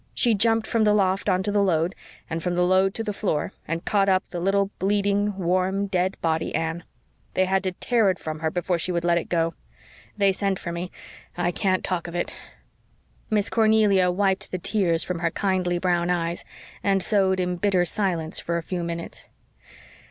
She jumped from the loft onto the load and from the load to the floor, and caught up the little bleeding, warm, dead body, Anne they had to tear it from her before she would let it go. They sent for me I can't talk of it." Miss Cornelia wiped the tears from her kindly brown eyes and sewed in bitter silence for a few minutes.